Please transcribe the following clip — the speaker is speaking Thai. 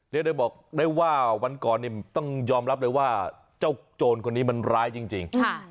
ได้บอกได้ว่าวันก่อนต้องยอมรับเลยว่าเจ้าโจรคนนี้มันร้ายจริง